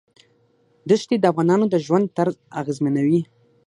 دښتې د افغانانو د ژوند طرز اغېزمنوي.